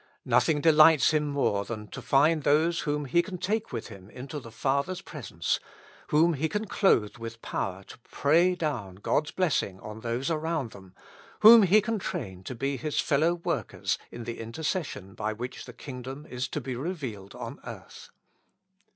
Nothing delights Him more than to find those whom He can take with Him into the Father's presence, whom He can clothe with power to pray down God's blessing on those around them, whom He can train to be His 13 With Christ in the School of Prayer. fellow workers in the intercession by which the king dom is to be revealed on earth.